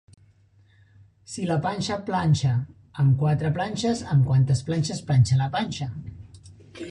Si la Panxa planxa amb quatre planxes, amb quantes planxes planxa la Panxa?